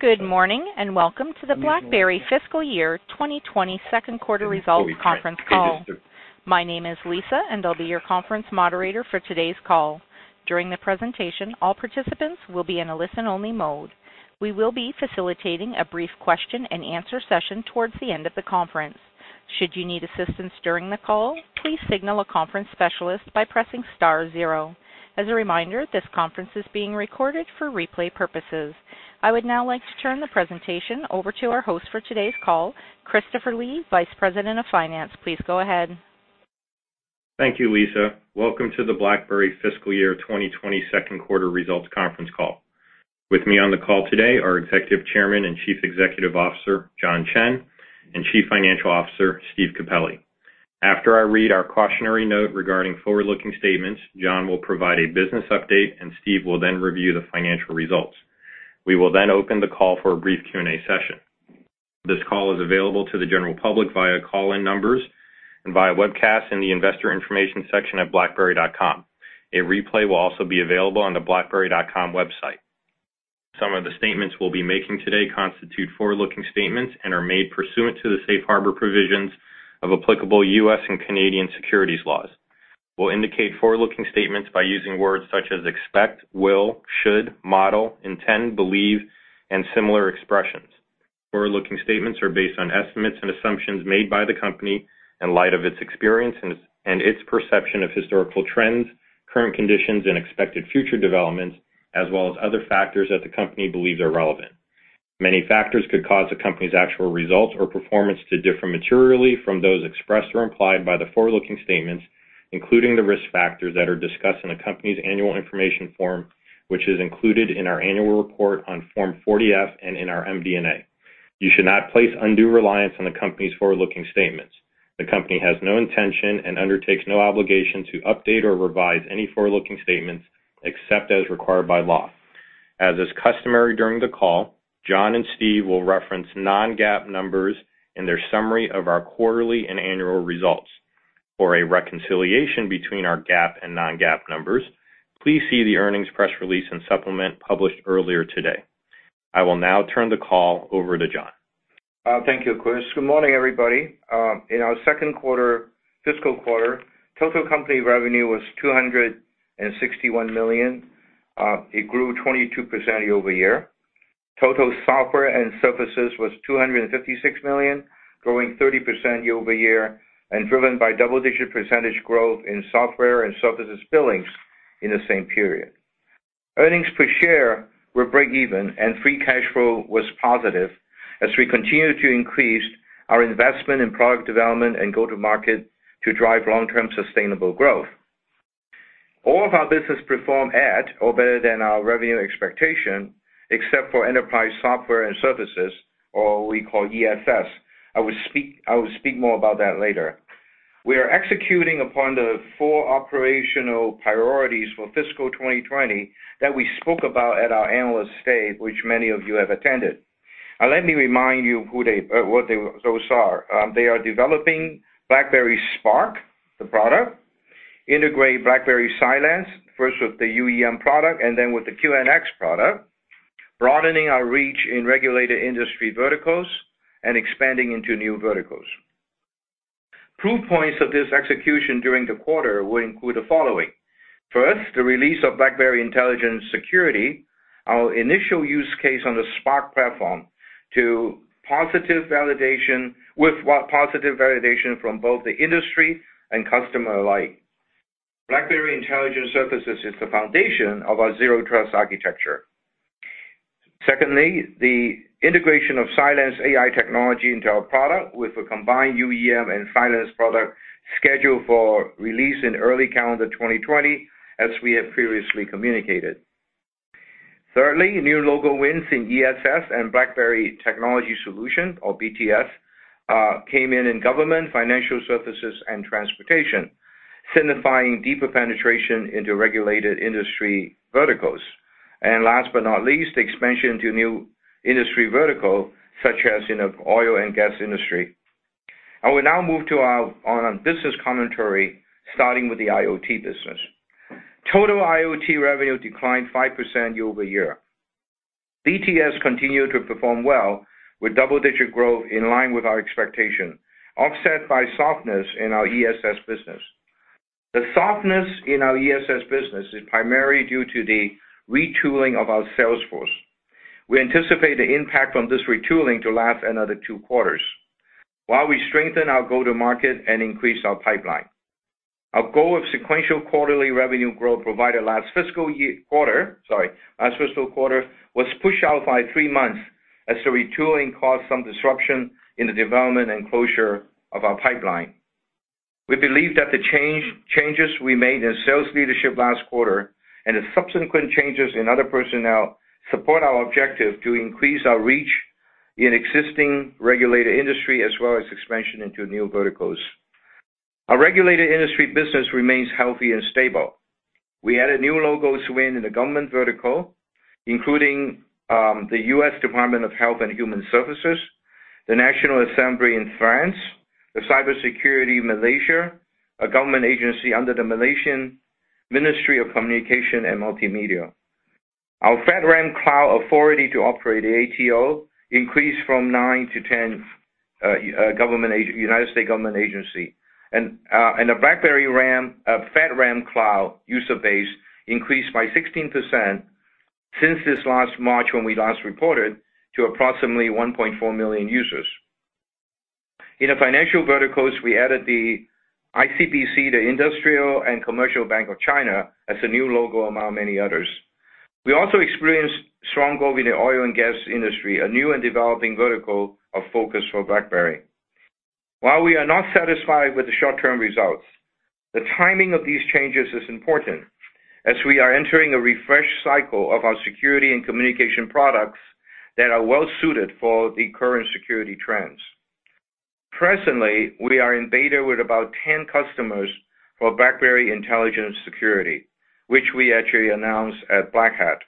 Good morning, and welcome to the BlackBerry Fiscal Year 2020 second quarter results conference call. My name is Lisa, and I'll be your conference moderator for today's call. During the presentation, all participants will be in a listen-only mode. We will be facilitating a brief question and answer session towards the end of the conference. Should you need assistance during the call, please signal a conference specialist by pressing star zero. As a reminder, this conference is being recorded for replay purposes. I would now like to turn the presentation over to our host for today's call, Christopher Lee, Vice President of Finance. Please go ahead. Thank you, Lisa. Welcome to the BlackBerry Fiscal Year 2020 second quarter results conference call. With me on the call today are Executive Chairman and Chief Executive Officer, John Chen, and Chief Financial Officer, Steve Capelli. After I read our cautionary note regarding forward-looking statements, John will provide a business update, Steve will then review the financial results. We will then open the call for a brief Q&A session. This call is available to the general public via call-in numbers and via webcast in the investor information section at blackberry.com. A replay will also be available on the blackberry.com website. Some of the statements we'll be making today constitute forward-looking statements and are made pursuant to the safe harbor provisions of applicable U.S. and Canadian securities laws. We'll indicate forward-looking statements by using words such as expect, will, should, model, intend, believe, and similar expressions. Forward-looking statements are based on estimates and assumptions made by the company in light of its experience and its perception of historical trends, current conditions, and expected future developments, as well as other factors that the company believes are relevant. Many factors could cause the company's actual results or performance to differ materially from those expressed or implied by the forward-looking statements, including the risk factors that are discussed in the company's annual information form, which is included in our annual report on Form 40-F and in our MD&A. You should not place undue reliance on the company's forward-looking statements. The company has no intention and undertakes no obligation to update or revise any forward-looking statements, except as required by law. As is customary during the call, John and Steve will reference non-GAAP numbers in their summary of our quarterly and annual results. For a reconciliation between our GAAP and non-GAAP numbers, please see the earnings press release and supplement published earlier today. I will now turn the call over to John. Thank you, Chris. Good morning, everybody. In our second fiscal quarter, total company revenue was $261 million. It grew 22% year-over-year. Total software and services was $256 million, growing 30% year-over-year. Driven by double-digit percentage growth in software and services billings in the same period. Earnings per share were breakeven. Free cash flow was positive as we continued to increase our investment in product development and go-to-market to drive long-term sustainable growth. All of our business performed at or better than our revenue expectation, except for enterprise software and services, or what we call ESS. I will speak more about that later. We are executing upon the four operational priorities for fiscal 2020 that we spoke about at our analyst day, which many of you have attended. Let me remind you what those are. They are developing BlackBerry Spark, the product, integrate BlackBerry Cylance, first with the UEM product and then with the QNX product, broadening our reach in regulated industry verticals, and expanding into new verticals. Proof points of this execution during the quarter will include the following. First, the release of BlackBerry Intelligent Security, our initial use case on the Spark platform, with positive validation from both the industry and customer alike. BlackBerry Intelligent Security is the foundation of our zero trust architecture. Secondly, the integration of Cylance AI technology into our product with a combined UEM and Cylance product scheduled for release in early calendar 2020, as we have previously communicated. Thirdly, new logo wins in EFS and BlackBerry Technology Solutions, or BTS, came in in government, financial services, and transportation, signifying deeper penetration into regulated industry verticals. Last but not least, expansion to new industry vertical, such as in the oil and gas industry. I will now move to our business commentary, starting with the IoT business. Total IoT revenue declined 5% year-over-year. BTS continued to perform well with double-digit growth in line with our expectation, offset by softness in our ESS business. The softness in our ESS business is primarily due to the retooling of our sales force. We anticipate the impact from this retooling to last another two quarters while we strengthen our go-to-market and increase our pipeline. Our goal of sequential quarterly revenue growth provided last fiscal quarter was pushed out by three months as the retooling caused some disruption in the development and closure of our pipeline. We believe that the changes we made in sales leadership last quarter and the subsequent changes in other personnel support our objective to increase our reach in existing regulated industry as well as expansion into new verticals. Our regulated industry business remains healthy and stable. We added new logos win in the government vertical, including the U.S. Department of Health and Human Services, the National Assembly in France, the CyberSecurity Malaysia, a government agency under the Malaysian Ministry of Communications and Multimedia. Our FedRAMP cloud Authority to Operate, ATO, increased from nine to 10 U.S. government agency. The BlackBerry FedRAMP cloud user base increased by 16% since this last March when we last reported, to approximately 1.4 million users. In the financial verticals, we added the ICBC, the Industrial and Commercial Bank of China, as a new logo among many others. We also experienced strong growth in the oil and gas industry, a new and developing vertical of focus for BlackBerry. While we are not satisfied with the short-term results, the timing of these changes is important, as we are entering a refresh cycle of our security and communication products that are well-suited for the current security trends. Presently, we are in beta with about 10 customers for BlackBerry Intelligent Security, which we actually announced at Black Hat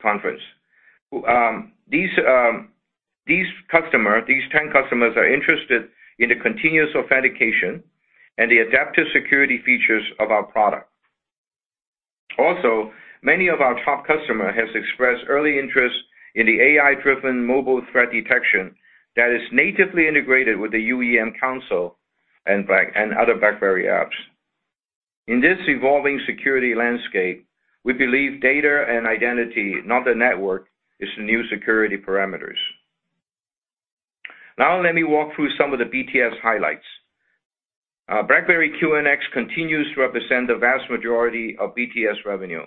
Conference. These 10 customers are interested in the continuous authentication and the adaptive security features of our product. Also, many of our top customer has expressed early interest in the AI-driven mobile threat detection that is natively integrated with the UEM console and other BlackBerry apps. In this evolving security landscape, we believe data and identity, not the network, is the new security perimeter. Let me walk through some of the BTS highlights. BlackBerry QNX continues to represent the vast majority of BTS revenue.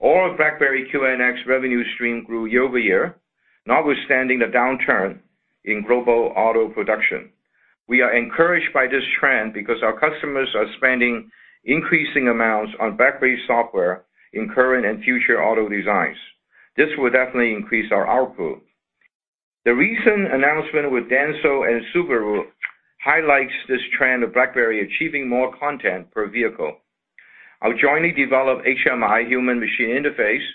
All of BlackBerry QNX revenue stream grew year-over-year, notwithstanding the downturn in global auto production. We are encouraged by this trend because our customers are spending increasing amounts on BlackBerry software in current and future auto designs. This will definitely increase our output. The recent announcement with Denso and Subaru highlights this trend of BlackBerry achieving more content per vehicle. Our jointly developed HMI, Human-Machine Interface,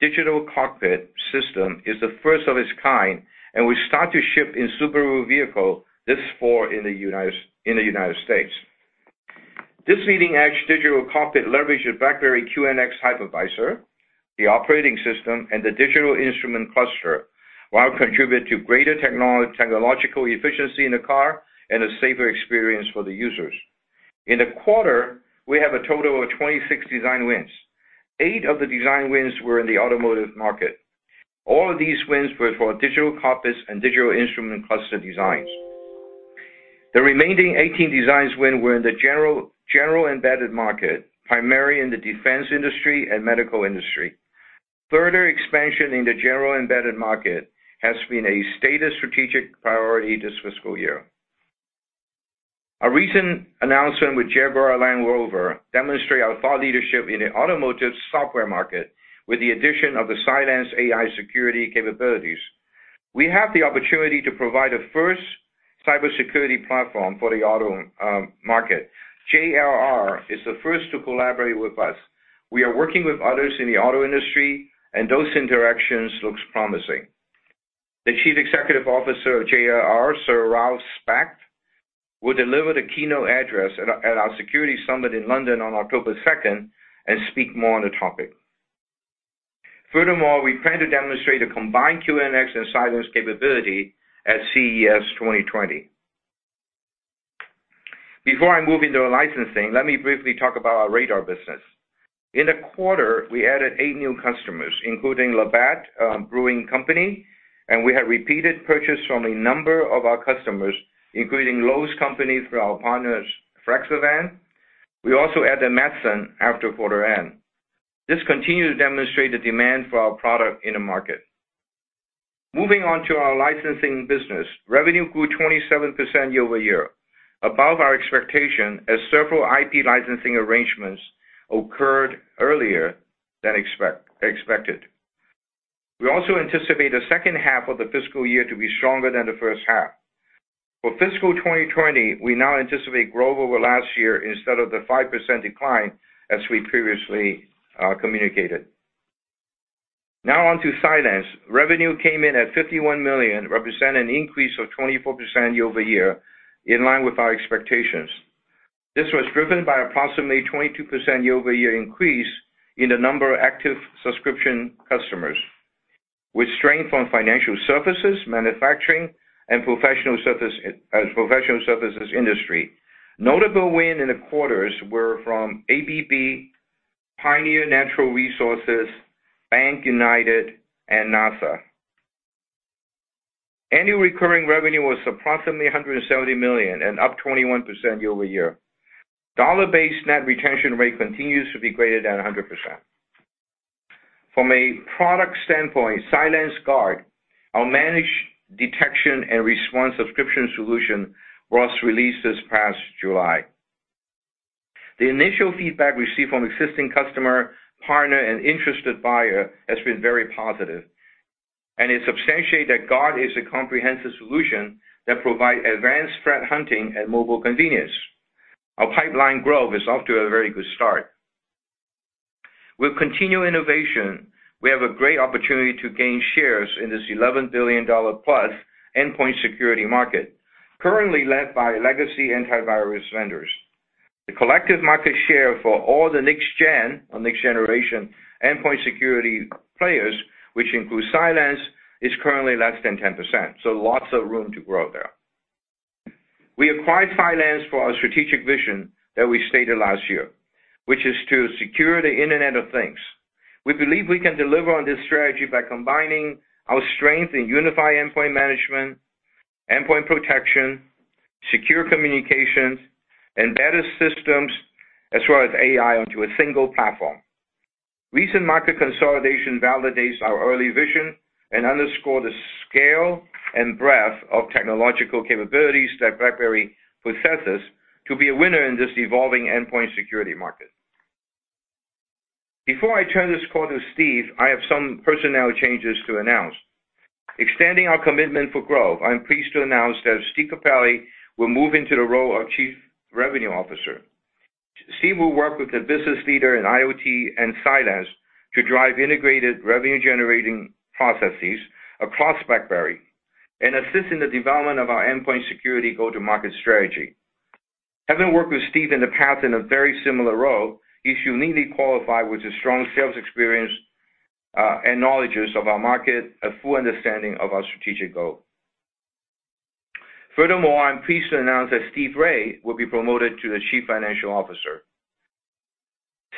digital cockpit system is the first of its kind, and will start to ship in Subaru vehicle this fall in the U.S. This leading-edge digital cockpit leverages BlackBerry QNX Hypervisor, the operating system, and the digital instrument cluster, while contribute to greater technological efficiency in the car and a safer experience for the users. In the quarter, we have a total of 26 design wins. Eight of the design wins were in the automotive market. All of these wins were for digital cockpits and digital instrument cluster designs. The remaining 18 designs win were in the general embedded market, primary in the defense industry and medical industry. Further expansion in the general embedded market has been a stated strategic priority this fiscal year. Our recent announcement with Jaguar Land Rover demonstrate our thought leadership in the automotive software market, with the addition of the Cylance AI security capabilities. We have the opportunity to provide a first cybersecurity platform for the auto market. JLR is the first to collaborate with us. Those interactions looks promising. The Chief Executive Officer of JLR, Sir Ralf Speth, will deliver the keynote address at our security summit in London on October 2nd and speak more on the topic. Furthermore, we plan to demonstrate a combined QNX and Cylance capability at CES 2020. Before I move into our licensing, let me briefly talk about our radar business. In the quarter, we added eight new customers, including Labatt Brewing Company, and we had repeated purchase from a number of our customers, including Lowe's company through our partners, Fraxavan]. We also added Matheson after quarter end. This continues to demonstrate the demand for our product in the market. Moving on to our licensing business. Revenue grew 27% year-over-year, above our expectation, as several IP licensing arrangements occurred earlier than expected. We also anticipate the second half of the fiscal year to be stronger than the first half. For fiscal 2020, we now anticipate growth over last year instead of the 5% decline as we previously communicated. Now on to Cylance. Revenue came in at $51 million, represent an increase of 24% year-over-year, in line with our expectations. This was driven by approximately 22% year-over-year increase in the number of active subscription customers, with strength from financial services, manufacturing, and professional services industry. Notable win in the quarters were from ABB, Pioneer Natural Resources, BankUnited, and NASA. Annual recurring revenue was approximately $170 million and up 21% year-over-year. Dollar-based net retention rate continues to be greater than 100%. From a product standpoint, CylanceGUARD, our managed detection and response subscription solution, was released this past July. The initial feedback received from existing customer, partner, and interested buyer has been very positive. It substantiate that GUARD is a comprehensive solution that provide advanced threat hunting and mobile convenience. Our pipeline growth is off to a very good start. With continued innovation, we have a great opportunity to gain shares in this $11 billion-plus endpoint security market, currently led by legacy antivirus vendors. The collective market share for all the next-gen, or next generation, endpoint security players, which includes Cylance, is currently less than 10%. Lots of room to grow there. We acquired Cylance for our strategic vision that we stated last year, which is to secure the Internet of Things. We believe we can deliver on this strategy by combining our strength in unified endpoint management, endpoint protection, secure communications, embedded systems, as well as AI onto a single platform. Recent market consolidation validates our early vision and underscores the scale and breadth of technological capabilities that BlackBerry possesses to be a winner in this evolving endpoint security market. Before I turn this call to Steve, I have some personnel changes to announce. Extending our commitment for growth, I'm pleased to announce that Steve Capelli will move into the role of Chief Revenue Officer. Steve will work with the business leader in IoT and Cylance to drive integrated revenue-generating processes across BlackBerry and assist in the development of our endpoint security go-to-market strategy. Having worked with Steve in the past in a very similar role, he's uniquely qualified with his strong sales experience, and knowledge of our market, a full understanding of our strategic goal. Furthermore, I'm pleased to announce that Steve Rai will be promoted to the Chief Financial Officer.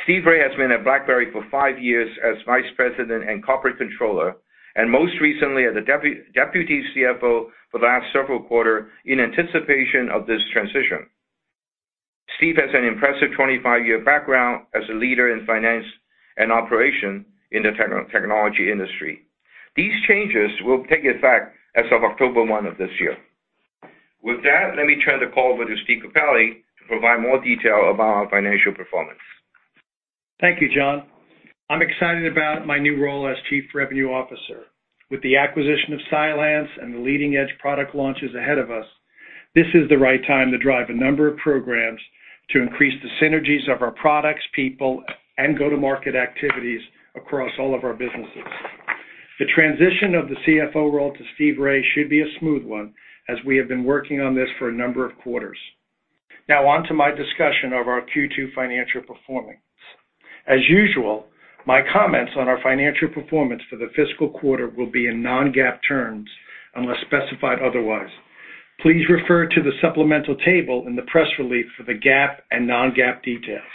Steve Rai has been at BlackBerry for five years as vice president and corporate controller, and most recently as the deputy CFO for the last several quarter in anticipation of this transition. Steve has an impressive 25-year background as a leader in finance and operation in the technology industry. These changes will take effect as of October one of this year. With that, let me turn the call over to Steve Capelli to provide more detail about our financial performance. Thank you, John. I'm excited about my new role as chief revenue officer. With the acquisition of Cylance and the leading-edge product launches ahead of us, this is the right time to drive a number of programs to increase the synergies of our products, people, and go-to-market activities across all of our businesses. The transition of the CFO role to Steve Rai should be a smooth one as we have been working on this for a number of quarters. Now on to my discussion of our Q2 financial performance. As usual, my comments on our financial performance for the fiscal quarter will be in non-GAAP terms unless specified otherwise. Please refer to the supplemental table in the press release for the GAAP and non-GAAP details.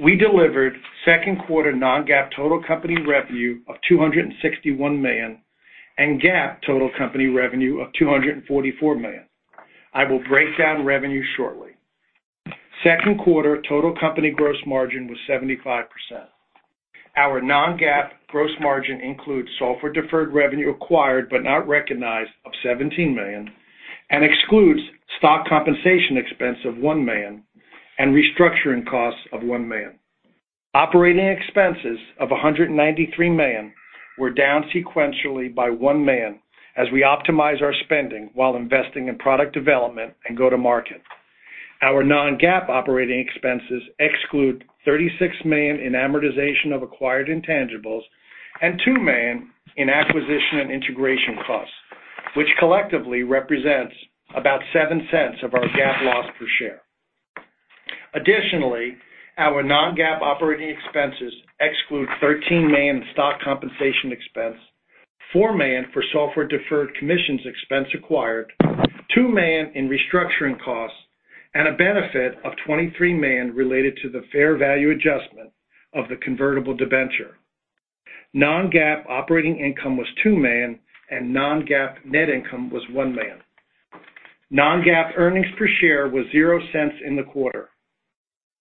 We delivered second quarter non-GAAP total company revenue of $261 million and GAAP total company revenue of $244 million. I will break down revenue shortly. Second quarter total company gross margin was 75%. Our Non-GAAP gross margin includes software deferred revenue acquired but not recognized of $17 million and excludes stock compensation expense of $1 million and restructuring costs of $1 million. Operating expenses of $193 million were down sequentially by $1 million as we optimize our spending while investing in product development and go to market. Our Non-GAAP operating expenses exclude $36 million in amortization of acquired intangibles and $2 million in acquisition and integration costs, which collectively represents about $0.07 of our GAAP loss per share. Additionally, our Non-GAAP operating expenses exclude $13 million in stock compensation expense, $4 million for software-deferred commissions expense acquired, $2 million in restructuring costs, and a benefit of $23 million related to the fair value adjustment of the convertible debenture. Non-GAAP operating income was $2 million, and Non-GAAP net income was $1 million. Non-GAAP earnings per share was $0.00 in the quarter.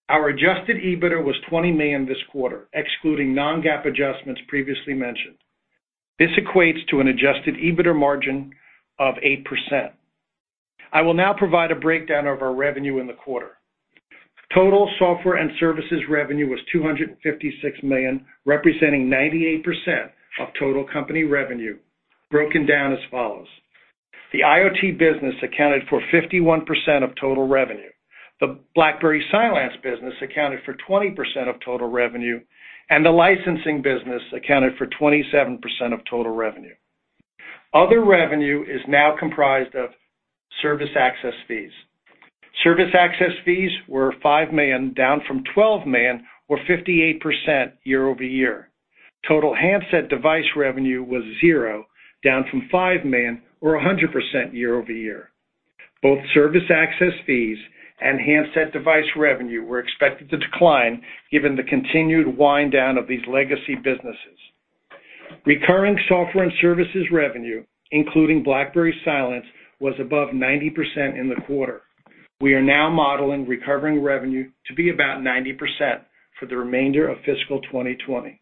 Our adjusted EBITA was $20 million this quarter, excluding non-GAAP adjustments previously mentioned. This equates to an adjusted EBITA margin of 8%. I will now provide a breakdown of our revenue in the quarter. Total software and services revenue was $256 million, representing 98% of total company revenue, broken down as follows. The IoT business accounted for 51% of total revenue. The BlackBerry Cylance business accounted for 20% of total revenue, and the licensing business accounted for 27% of total revenue. Other revenue is now comprised of service access fees. Service access fees were $5 million, down from $12 million or 58% year-over-year. Total handset device revenue was $0, down from $5 million or 100% year-over-year. Both service access fees and handset device revenue were expected to decline given the continued wind down of these legacy businesses. Recurring software and services revenue, including BlackBerry Cylance, was above 90% in the quarter. We are now modeling recovering revenue to be about 90% for the remainder of fiscal 2020.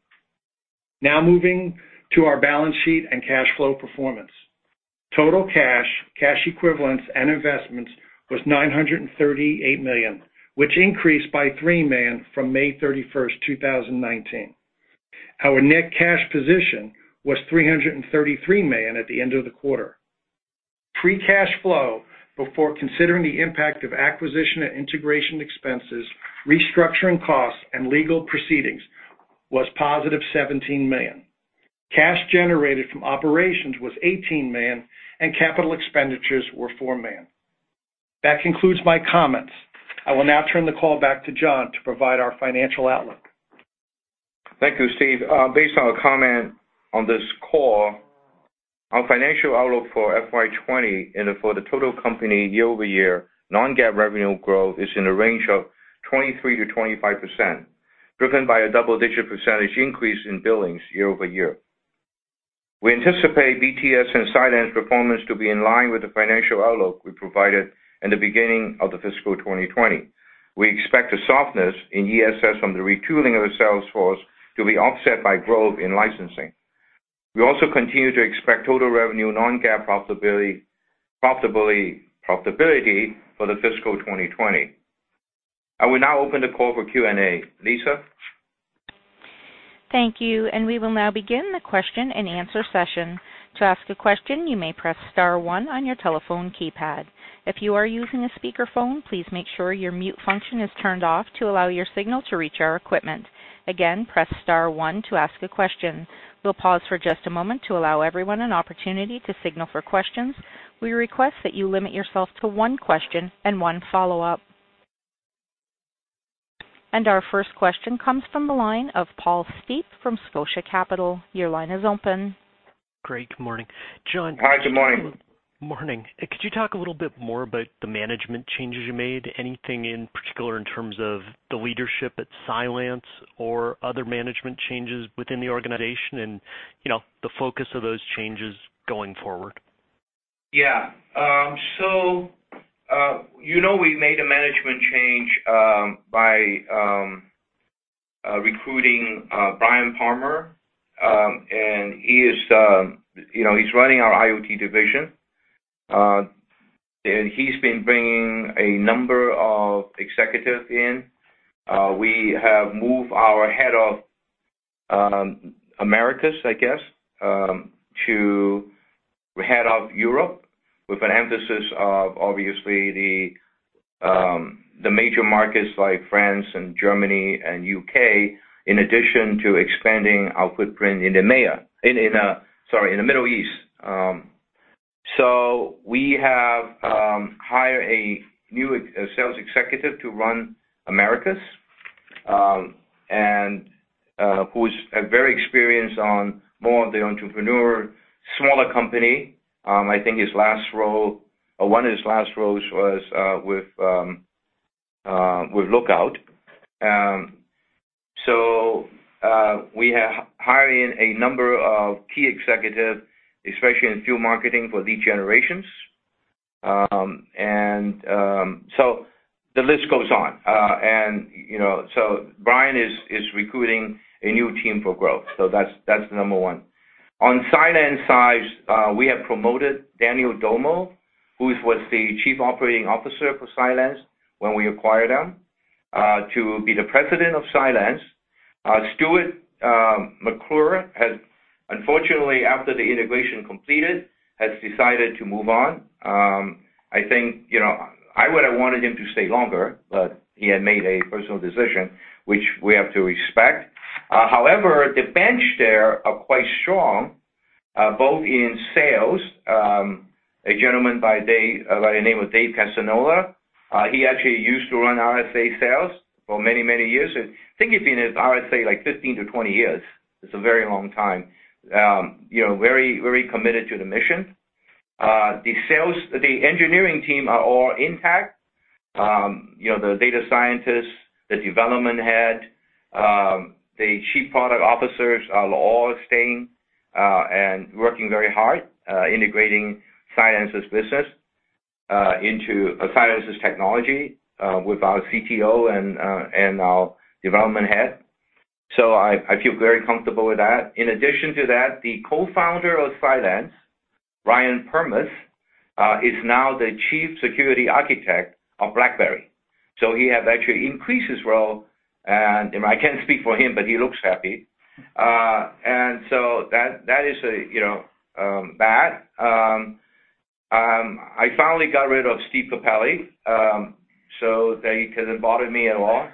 Moving to our balance sheet and cash flow performance. Total cash equivalents, and investments was $938 million, which increased by $3 million from May 31st, 2019. Our net cash position was $333 million at the end of the quarter. Free cash flow before considering the impact of acquisition and integration expenses, restructuring costs, and legal proceedings was positive $17 million. Cash generated from operations was $18 million and capital expenditures were $4 million. That concludes my comments. I will now turn the call back to John to provide our financial outlook. Thank you, Steve. Based on a comment on this call, our financial outlook for FY 2020, and for the total company year-over-year, non-GAAP revenue growth is in the range of 23%-25%, driven by a double-digit percentage increase in billings year-over-year. We anticipate BTS and Cylance performance to be in line with the financial outlook we provided in the beginning of the fiscal 2020. We expect the softness in ESS from the retooling of the sales force to be offset by growth in licensing. We also continue to expect total revenue non-GAAP profitability for the fiscal 2020. I will now open the call for Q&A. Lisa? Thank you. We will now begin the question and answer session. To ask a question, you may press star one on your telephone keypad. If you are using a speakerphone, please make sure your mute function is turned off to allow your signal to reach our equipment. Again, press star one to ask a question. We will pause for just a moment to allow everyone an opportunity to signal for questions. We request that you limit yourself to one question and one follow-up. Our first question comes from the line of Paul Steep from Scotia Capital. Your line is open. Great. Good morning. Hi. Good morning. Morning. Could you talk a little bit more about the management changes you made? Anything in particular in terms of the leadership at Cylance or other management changes within the organization and the focus of those changes going forward? Yeah. You know we made a management change by recruiting Brian Palmer. He's running our IoT division. He's been bringing a number of executives in. We have moved our head of Americas, I guess, to head of Europe with an emphasis of obviously the major markets like France and Germany and U.K., in addition to expanding our footprint in the Middle East. We have hired a new sales executive to run Americas, who's very experienced on more of the entrepreneur, smaller company. I think one of his last roles was with Lookout. We have hired in a number of key executives, especially in field marketing for lead generations. The list goes on. Brian is recruiting a new team for growth. That's number 1. On Cylance's side, we have promoted Daniel Doimo, who was the Chief Operating Officer for Cylance when we acquired them, to be the President of Cylance. Stuart McClure, unfortunately after the integration completed, has decided to move on. I would've wanted him to stay longer, but he had made a personal decision, which we have to respect. However, the bench there are quite strong, both in sales, a gentleman by the name of Dave DeWalt. He actually used to run RSA sales for many, many years. I think he'd been at RSA 15 to 20 years. It's a very long time. Very committed to the mission. The engineering team are all intact. The data scientists, the development head, the Chief Product Officers are all staying, and working very hard, integrating Cylance's business into Cylance's technology, with our CTO and our development head. I feel very comfortable with that. In addition to that, the co-founder of Cylance, Ryan Permeh, is now the Chief Security Architect of BlackBerry. He has actually increased his role, and I can't speak for him, but he looks happy. That is that. I finally got rid of Steve Capelli, so he couldn't bother me at all.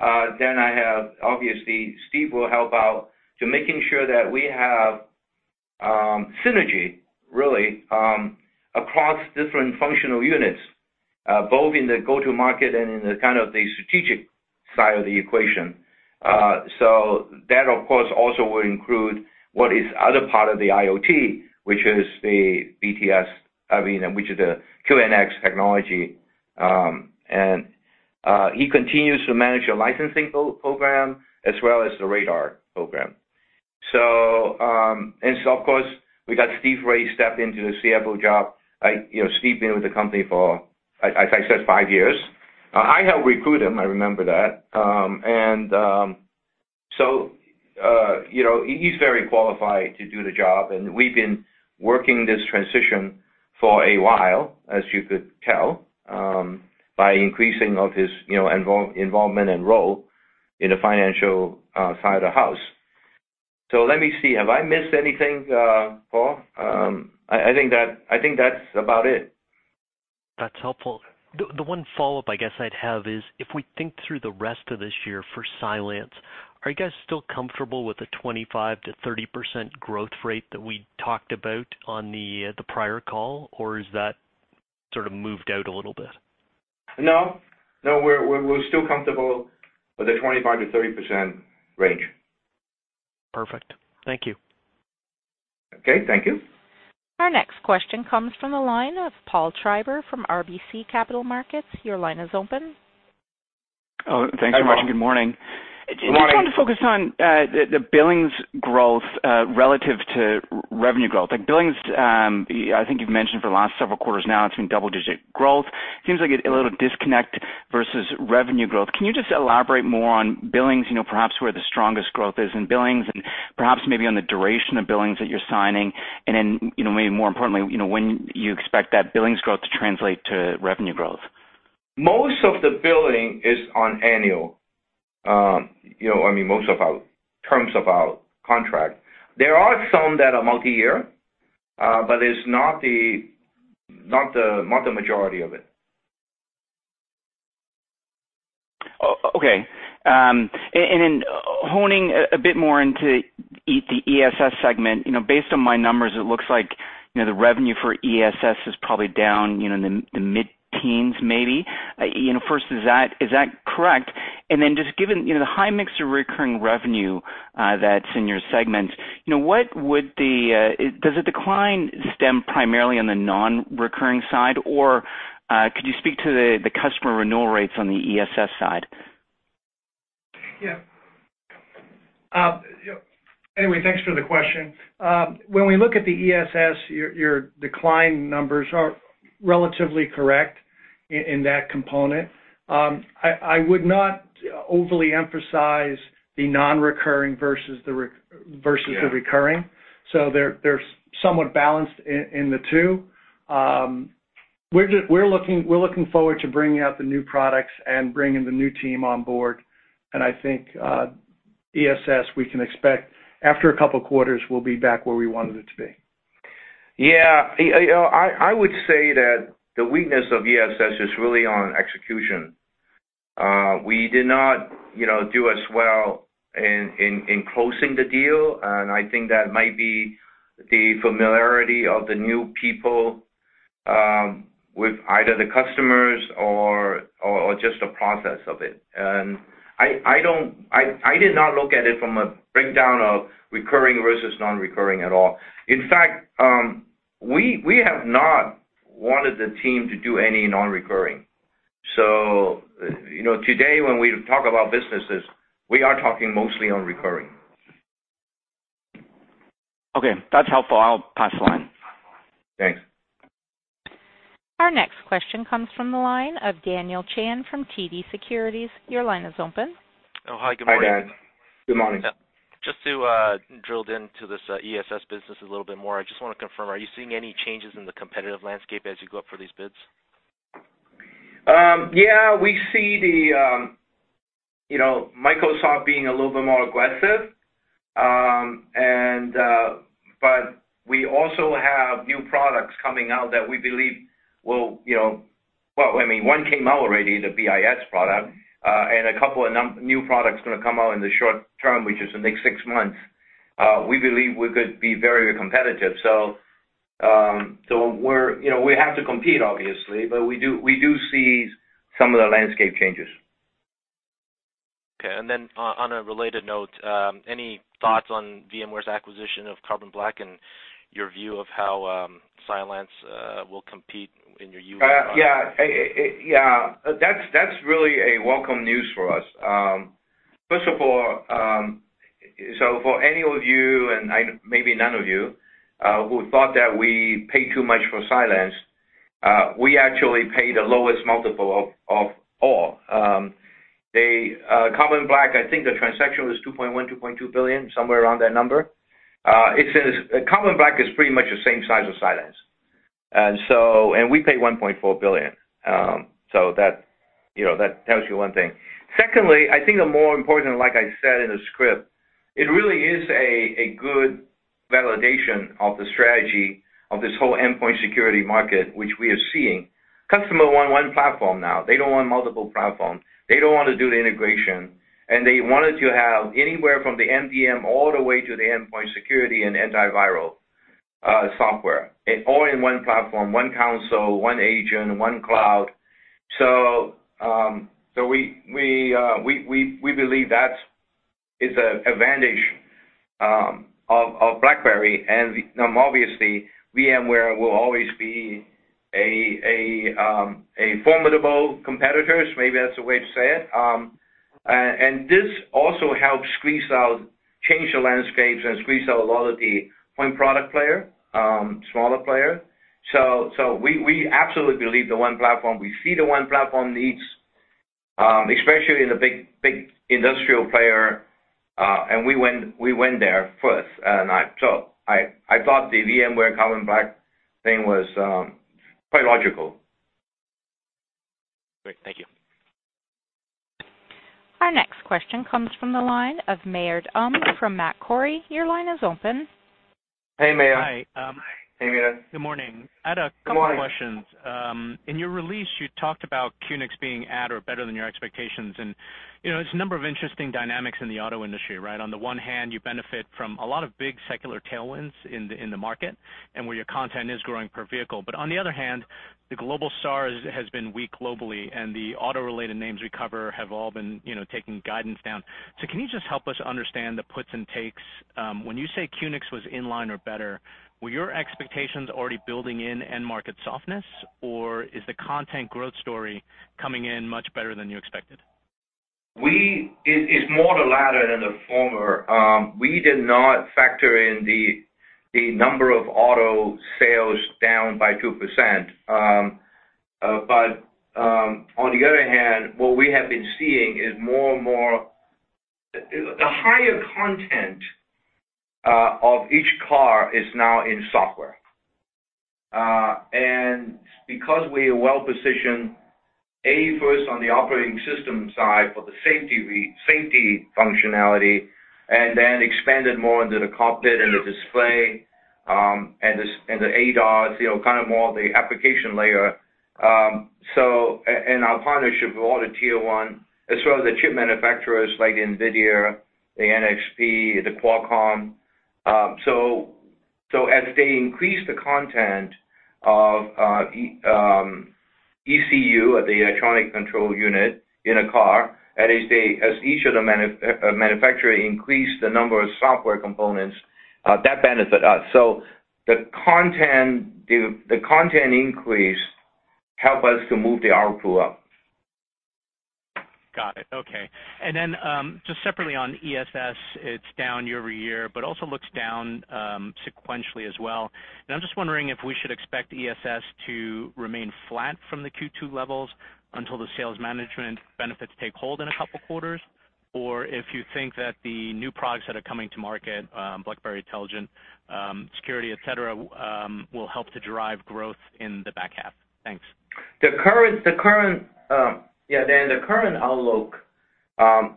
I have, obviously, Steve will help out to making sure that we have synergy really, across different functional units, both in the go-to-market and in the strategic side of the equation. That, of course, also will include what is other part of the IoT, which is the QNX technology. He continues to manage the licensing program as well as the radar program. Of course, we got Steve Rai step into the CFO job. Steve been with the company for, as I said, five years. I helped recruit him, I remember that. He's very qualified to do the job, and we've been working this transition for a while, as you could tell, by increasing of his involvement and role in the financial side of the house. Let me see. Have I missed anything, Paul? I think that's about it. That's helpful. The one follow-up I guess I'd have is, if we think through the rest of this year for Cylance, are you guys still comfortable with the 25%-30% growth rate that we talked about on the prior call, or has that sort of moved out a little bit? No. We're still comfortable with the 25%-30% range. Perfect. Thank you. Okay. Thank you. Our next question comes from the line of Paul Treiber from RBC Capital Markets. Your line is open. Oh, thanks very much. Hi, Paul. Good morning. Good morning. Just wanted to focus on the billings growth, relative to revenue growth. Like billings, I think you've mentioned for the last several quarters now, it's been double-digit growth. Seems like a little disconnect versus revenue growth. Can you just elaborate more on billings, perhaps where the strongest growth is in billings and perhaps maybe on the duration of billings that you're signing, and then, maybe more importantly, when you expect that billings growth to translate to revenue growth? Most of the billing is on annual, I mean, most of our terms of our contract. There are some that are multi-year, but it's not the majority of it. Okay. Then honing a bit more into the ESS segment. Based on my numbers, it looks like the revenue for ESS is probably down, in the mid-teens maybe. First, is that correct? Then just given the high mix of recurring revenue that's in your segment, does the decline stem primarily on the non-recurring side, or could you speak to the customer renewal rates on the ESS side? Yeah. Anyway, thanks for the question. When we look at the ESS, your decline numbers are relatively correct in that component. I would not overly emphasize the non-recurring versus. Yeah versus the recurring. They're somewhat balanced in the two. We're looking forward to bringing out the new products and bringing the new team on board, and I think ESS, we can expect after a couple of quarters, we'll be back where we wanted it to be. Yeah. I would say that the weakness of ESS is really on execution. We did not do as well in closing the deal, and I think that might be the familiarity of the new people with either the customers or just the process of it. I did not look at it from a breakdown of recurring versus non-recurring at all. In fact, we have not wanted the team to do any non-recurring. Today, when we talk about businesses, we are talking mostly on recurring. Okay. That's helpful. I'll pass the line. Thanks. Our next question comes from the line of Daniel Chan from TD Securities. Your line is open. Oh, hi. Good morning. Hi, Dan. Good morning. Just to drill into this ESS business a little bit more. I just want to confirm, are you seeing any changes in the competitive landscape as you go up for these bids? We see Microsoft being a little bit more aggressive. We also have new products coming out that we believe will, I mean, one came out already, the BIS product, and a couple of new products are going to come out in the short term, which is the next six months. We believe we could be very competitive. We have to compete, obviously, but we do see some of the landscape changes. Okay. On a related note, any thoughts on VMware's acquisition of Carbon Black and your view of how Cylance will compete in your UES? That's really a welcome news for us. First of all, for any of you, and maybe none of you, who thought that we paid too much for Cylance, we actually paid the lowest multiple of all. Carbon Black, I think the transaction was $2.1 billion, $2.2 billion, somewhere around that number. Carbon Black is pretty much the same size as Cylance. We paid $1.4 billion, that tells you one thing. Secondly, I think the more important, like I said in the script, it really is a good validation of the strategy of this whole endpoint security market, which we are seeing. Customer want one platform now. They don't want multiple platforms. They don't want to do the integration, they wanted to have anywhere from the MDM all the way to the endpoint security and antiviral software, all in one platform, one console, one agent, one cloud. We believe that is an advantage of BlackBerry. Obviously, VMware will always be a formidable competitor, maybe that's the way to say it. This also helps change the landscape and squeeze out a lot of the one-product player, smaller player. We absolutely believe the one platform. We see the one platform needs, especially in the big industrial player, and we went there first. I thought the VMware Carbon Black thing was quite logical. Our next question comes from the line of Mayur Pottenkery from Macquarie. Your line is open. Hey, Mayur. Hi. Hey, Mayur. Good morning. Good morning. I had a couple questions. In your release, you talked about QNX being at or better than your expectations. There's a number of interesting dynamics in the auto industry, right? On the one hand, you benefit from a lot of big secular tailwinds in the market, and where your content is growing per vehicle. On the other hand, the global sales has been weak globally, and the auto-related names we cover have all been taking guidance down. Can you just help us understand the puts and takes? When you say QNX was in line or better, were your expectations already building in end market softness? Is the content growth story coming in much better than you expected? It's more the latter than the former. We did not factor in the number of auto sales down by 2%. On the other hand, what we have been seeing is more and more, the higher content of each car is now in software. Because we are well-positioned, A, first on the operating system side for the safety functionality, and then expanded more into the cockpit and the display, and the ADAS, kind of more the application layer. Our partnership with all the tier 1, as well as the chip manufacturers like NVIDIA, NXP, Qualcomm. As they increase the content of ECU, the electronic control unit in a car, as each of the manufacturer increase the number of software components, that benefit us. The content increase help us to move the ARPU up. Got it. Okay. Just separately on ESS, it's down year-over-year, but also looks down sequentially as well. I'm just wondering if we should expect ESS to remain flat from the Q2 levels until the sales management benefits take hold in a couple quarters, or if you think that the new products that are coming to market, BlackBerry Intelligent Security, et cetera, will help to drive growth in the back half. Thanks. Dan, the current outlook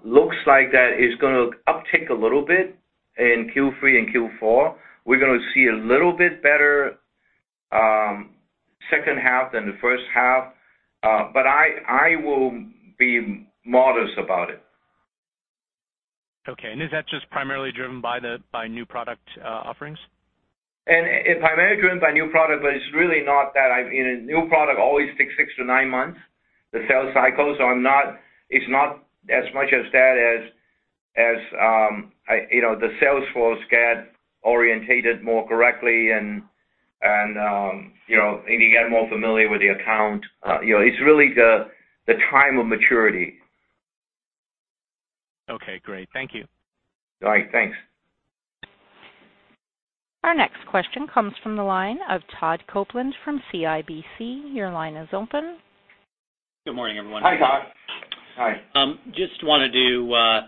looks like that is going to uptick a little bit in Q3 and Q4. We're going to see a little bit better second half than the first half. I will be modest about it. Okay. Is that just primarily driven by new product offerings? Primarily driven by new product, but it's really not that. I mean, a new product always takes six to nine months, the sales cycle. It's not as much as that as the sales force get oriented more correctly and they get more familiar with the account. It's really the time of maturity. Okay, great. Thank you. All right. Thanks. Our next question comes from the line of Todd Coupland from CIBC. Your line is open. Good morning, everyone. Hi, Todd. Hi. Just wanted to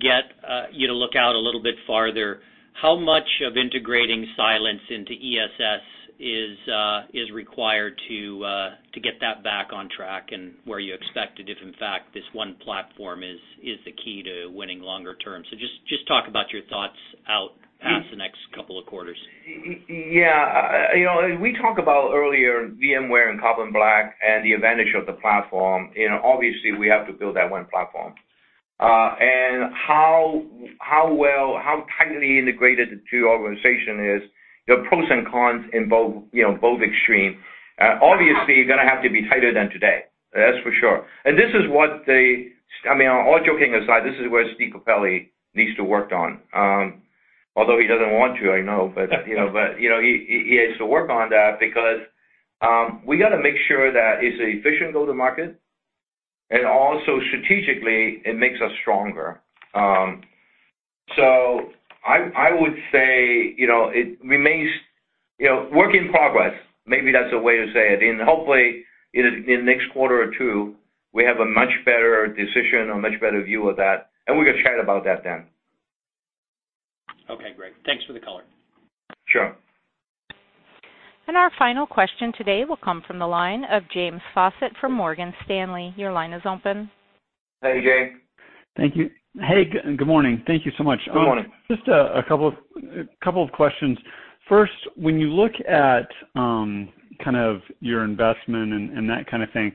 get you to look out a little bit farther. How much of integrating Cylance into ESS is required to get that back on track and where you expect it, if in fact, this one platform is the key to winning longer term? Just talk about your thoughts out past the next couple of quarters. Yeah. We talked about earlier VMware and Carbon Black and the advantage of the platform. Obviously, we have to build that one platform. How tightly integrated the two organization is, there are pros and cons in both extreme. Obviously, going to have to be tighter than today. That's for sure. All joking aside, this is where Steve Capelli needs to work on. Although he doesn't want to, I know. He has to work on that because we got to make sure that it's efficient go to market, and also strategically, it makes us stronger. I would say, work in progress. Maybe that's a way to say it. Hopefully, in the next quarter or two, we have a much better decision or much better view of that, and we can chat about that then. Okay, great. Thanks for the color. Sure. Our final question today will come from the line of James Faucette from Morgan Stanley. Your line is open. Hey, James. Thank you. Hey, good morning. Thank you so much. Good morning. Just a couple of questions. First, when you look at your investment and that kind of thing,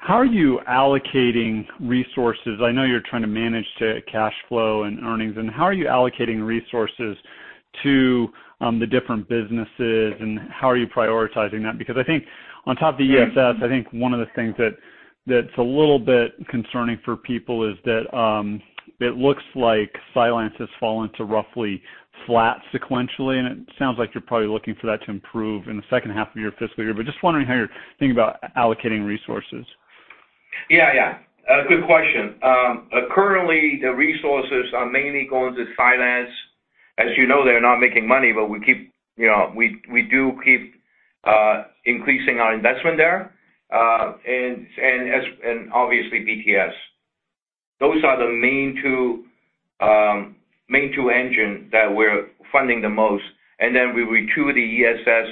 how are you allocating resources? I know you're trying to manage to cash flow and earnings, how are you allocating resources to the different businesses, and how are you prioritizing that? I think on top of ESS, I think one of the things that's a little bit concerning for people is that it looks like Cylance has fallen to roughly flat sequentially, and it sounds like you're probably looking for that to improve in the second half of your fiscal year. Just wondering how you're thinking about allocating resources. Yeah. Good question. Currently, the resources are mainly going to Cylance. As you know, they're not making money, but we do keep increasing our investment there. Obviously, BTS. Those are the main two engine that we're funding the most. We retool the ESS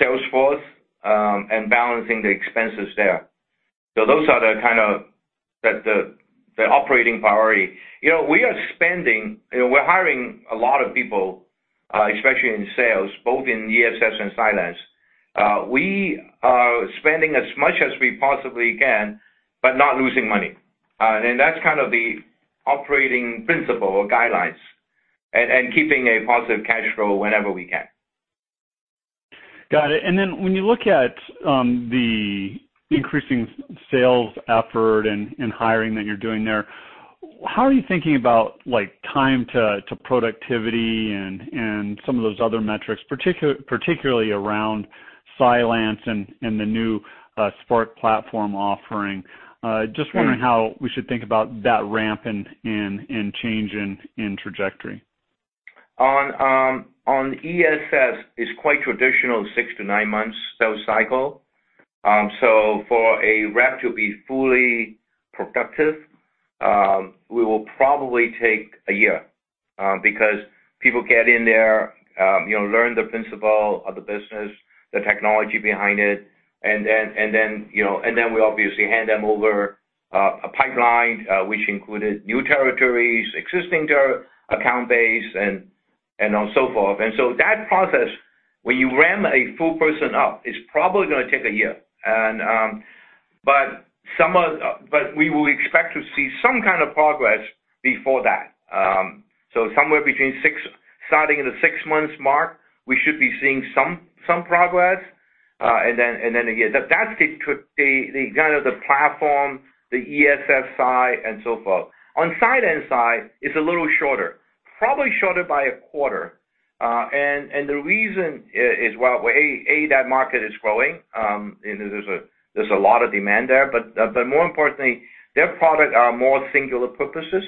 Salesforce and balancing the expenses there. Those are the operating priority. We're hiring a lot of people, especially in sales, both in ESS and Cylance. We are spending as much as we possibly can, but not losing money. That's the operating principle or guidelines, and keeping a positive cash flow whenever we can. Got it. When you look at the increasing sales effort and hiring that you're doing there, how are you thinking about time to productivity and some of those other metrics, particularly around Cylance and the new Spark platform offering? Just wondering how we should think about that ramp in change in trajectory. On ESS, it's quite traditional, six to nine months sales cycle. For a rep to be fully productive, we will probably take a year, because people get in there, learn the principle of the business, the technology behind it, and then we obviously hand them over a pipeline, which included new territories, existing account base, and so forth. That process, when you ramp a full person up, it's probably going to take a year. We will expect to see some kind of progress before that. Somewhere between starting in the six months mark, we should be seeing some progress, and then again. That's the kind of the platform, the ESS side, and so forth. On Cylance side, it's a little shorter, probably shorter by a quarter. The reason is, well, A, that market is growing. There's a lot of demand there, but more importantly, their product are more singular purposes.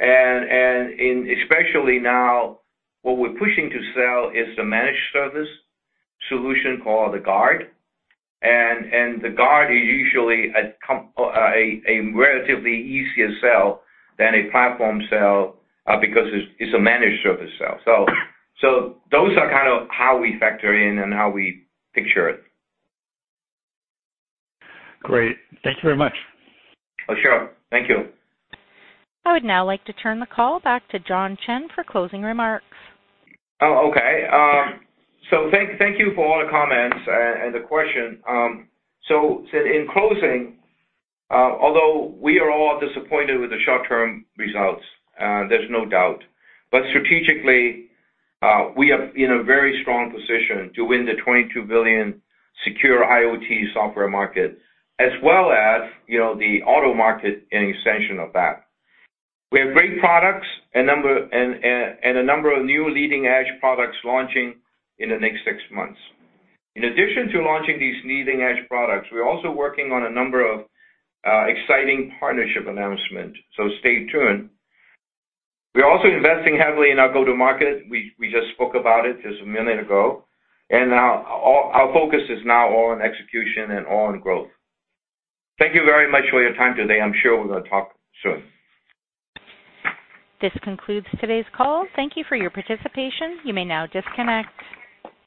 Especially now, what we're pushing to sell is the managed service solution called the Guard. The Guard is usually a relatively easier sell than a platform sell, because it's a managed service sell. Those are kind of how we factor in and how we picture it. Great. Thank you very much. Oh, sure. Thank you. I would now like to turn the call back to John Chen for closing remarks. Okay. Thank you for all the comments and the question. In closing, although we are all disappointed with the short-term results, there's no doubt. Strategically, we are in a very strong position to win the $22 billion secure IoT software market, as well as the auto market in extension of that. We have great products and a number of new leading-edge products launching in the next six months. In addition to launching these leading-edge products, we're also working on a number of exciting partnership announcement. Stay tuned. We're also investing heavily in our go-to-market. We just spoke about it just a minute ago. Our focus is now all on execution and all on growth. Thank you very much for your time today. I'm sure we're going to talk soon. This concludes today's call. Thank you for your participation. You may now disconnect.